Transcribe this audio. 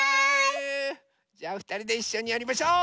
じゃあふたりでいっしょにやりましょう！